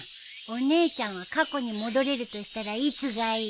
お姉ちゃんは過去に戻れるとしたらいつがいい？